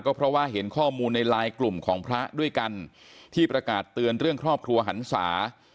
เพราะว่าเห็นข้อมูลในไลน์กลุ่มของพระด้วยกันที่ประกาศเตือนเรื่องครอบครัวหันศา